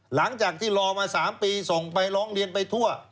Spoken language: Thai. หลังจากที่รอมา๓ปีส่งไปร้องเรียนไปทั่ว